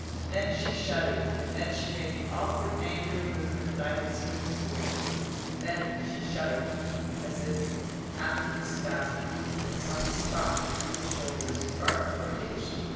Then she shuddered, and then she made the awkward angular movement that I had seen before, as if, after the spasm, some spot between the shoulders burnt or itched.